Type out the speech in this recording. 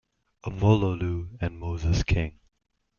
Omololu and Moses King.